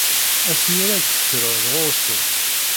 Asmi ara d-tekkreḍ ɣur-sen.